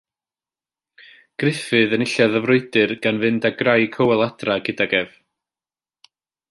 Gruffudd enillodd y frwydr gan fynd â gwraig Hywel adre gydag ef.